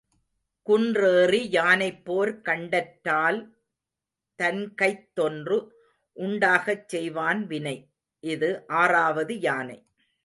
குன்றேறி யானைப்போர் கண்டற்றால் தன்கைத்தொன்று உண்டாகச் செய்வான் வினை. இது ஆறாவது யானை.